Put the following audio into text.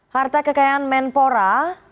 harta kekayaan menpora